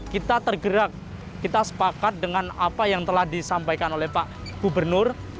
kita tergerak kita sepakat dengan apa yang telah disampaikan oleh pak gubernur